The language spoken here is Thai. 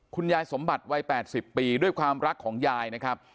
คุณยายสมบัติวัย๘๐ปีด้วยความรักของยายนะครับ